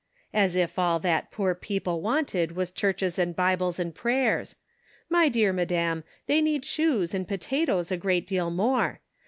"As if all that poor people wanted was churches and Bibles and prayers ! My dear madam, they need shoes and potatoes a great deal more.